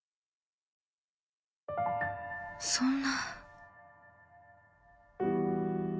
「そんな」。